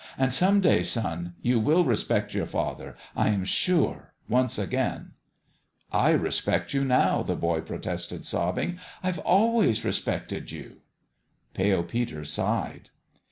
And some day, son, THE END OF THE GAME 321 you will respect your father, I am sure, once again." " I respect you now" the boy protested, sob bing. "I've ahvays respected you !" Pale Peter sighed.